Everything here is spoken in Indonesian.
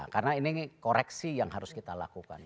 karena ini koreksi yang harus kita lakukan